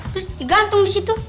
terus digantung disitu